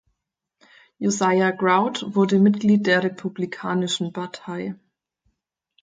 Josiah Grout wurde Mitglied der Republikanischen Partei.